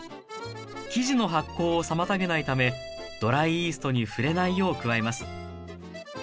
生地の発酵を妨げないためドライイーストに触れないよう加えます